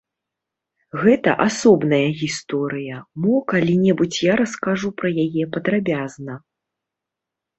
Гэта асобная гісторыя, мо калі-небудзь я раскажу пра яе падрабязна.